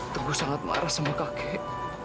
teguh sangat marah sama kakek